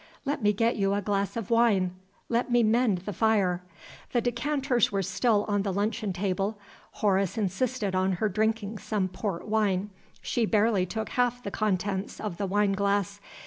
"Let me get you a glass of wine! let me mend the fire!" The decanters were still on the luncheon table. Horace insisted on her drinking some port wine. She barely took half the contents of the wine glass.